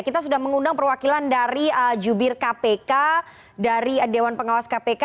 kita sudah mengundang perwakilan dari jubir kpk dari dewan pengawas kpk